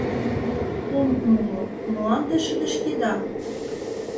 Ом умыло, молан те шыдешкеда?